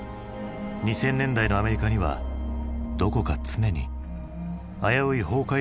２０００年代のアメリカにはどこか常に危うい崩壊への雰囲気が漂っていた。